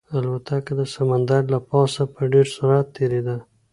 الوتکه د سمندر له پاسه په ډېر سرعت تېرېده.